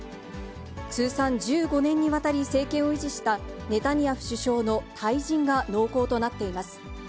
通算１５年にわたり政権を維持したネタニヤフ首相の退陣が濃厚となっています。